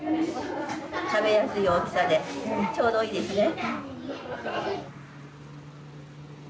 食べやすい大きさでちょうどいいですね。